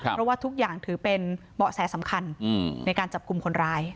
เพราะว่าทุกอย่างถือเป็นเบาะแสสำคัญในการจับกลุ่มคนร้าย